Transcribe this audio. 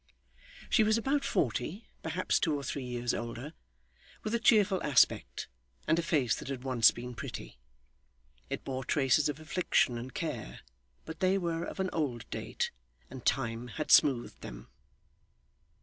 She was about forty perhaps two or three years older with a cheerful aspect, and a face that had once been pretty. It bore traces of affliction and care, but they were of an old date, and Time had smoothed them.